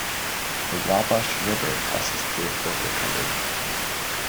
The Wabash River passes through Fort Recovery.